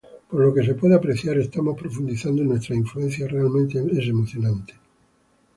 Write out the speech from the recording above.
Por lo que se puede apreciar, estamos profundizando en nuestras influencias, realmente es emocionante".